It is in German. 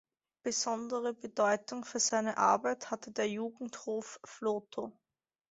Besondere Bedeutung für seine Arbeit hatte der Jugendhof Vlotho.